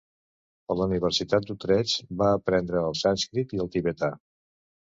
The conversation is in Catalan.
A la Universitat d'Utrecht va aprendre el sànscrit i el tibetà.